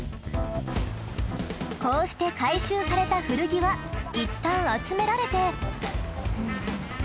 こうして回収された古着はいったん集められて。